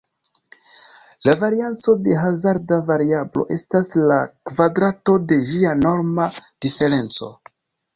La varianco de hazarda variablo estas la kvadrato de ĝia norma diferenco.